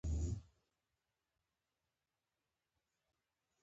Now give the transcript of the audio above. دا اثر بریان سي بارنټ راټول کړی.